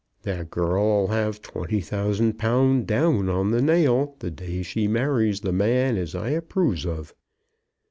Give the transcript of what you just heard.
"That girl 'll have twenty thousand pound, down on the nail, the day she marries the man as I approves of.